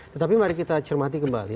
tetapi mari kita cermati kembali